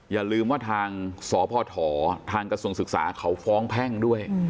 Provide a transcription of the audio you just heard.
อย่าลืมว่าทางสพทางกระทรวงศึกษาเขาฟ้องแพ่งด้วย